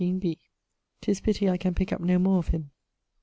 'Tis pity I can pick up no more of him.